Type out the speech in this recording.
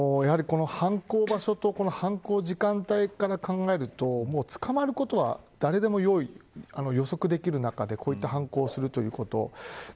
やはり犯行場所と犯行時間帯から考えると捕まることは誰でも予測できる中でこういった犯行をするということ。